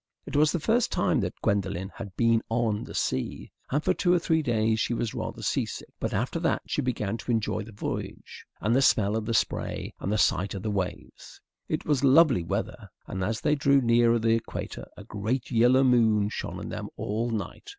It was the first time that Gwendolen had been on the sea, and for two or three days she was rather sea sick. But after that she began to enjoy the voyage and the smell of the spray and the sight of the waves. It was lovely weather, and as they drew near the equator a great yellow moon shone on them all night.